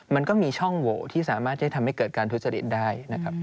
มันก็มีช่องโหวที่สามารถที่จะทำให้เกิดการทุจริตได้นะครับ